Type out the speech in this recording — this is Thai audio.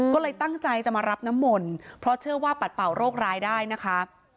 ก็เลยตั้งใจจะมารับน้ำมนต์เพราะเชื่อว่าปัดเป่าโรคร้ายได้นะคะ